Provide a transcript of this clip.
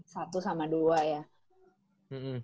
satu sama dua ya